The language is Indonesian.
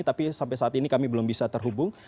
tapi sampai saat ini kami belum bisa terhubung